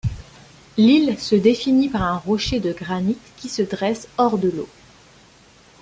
L'île se définit par un rocher de granit qui se dresse hors de l'eau.